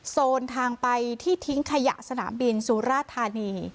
โซนทางไปที่ทิ้งขยะสนามบินสุราธานี